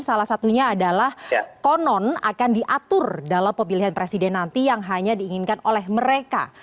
salah satunya adalah konon akan diatur dalam pemilihan presiden nanti yang hanya diinginkan oleh mereka